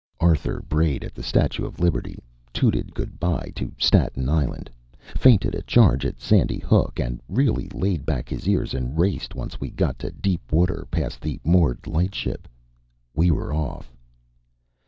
Arthur brayed at the Statue of Liberty, tooted good by to Staten Island, feinted a charge at Sandy Hook and really laid back his ears and raced once he got to deep water past the moored lightship. We were off!